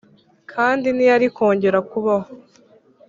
kandi ntiyari kongera kubaho.